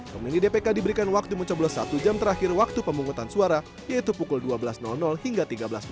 pemilih dpk diberikan waktu mencoblos satu jam terakhir waktu pemungutan suara yaitu pukul dua belas hingga tiga belas empat puluh